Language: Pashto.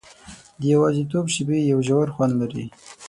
د یوازیتوب شېبې یو ژور خوند لري.